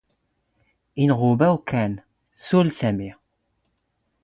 ⵉⵏⵖⵓⴱⴰ ⵓⴽⴰⵏ ⵙⵓⵍ ⵙⴰⵎⵉ.